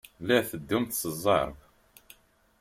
La tetteddumt s zzerb.